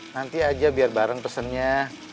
nanti aja biar bareng pesennya